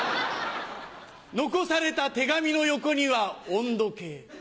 残された手紙の横には温度計。